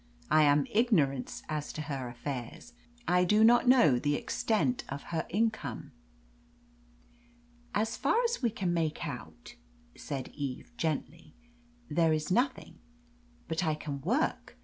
I am in ignorance as to her affairs. I do not know the extent of her income." "As far as we can make out," said Eve gently, "there is nothing. But I can work.